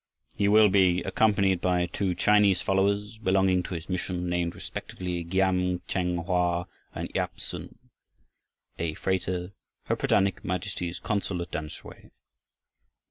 He will be accompanied by two Chinese followers, belonging to his mission, named, respectively, Giam Chheng Hoa, and Iap Sun. A. FRATER, Her Britannic Majesty's Consul at Tamsui.